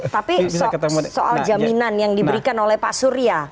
tapi soal jaminan yang diberikan oleh pak surya